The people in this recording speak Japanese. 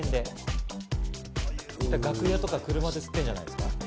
楽屋とか車で吸ってるんじゃないんですか？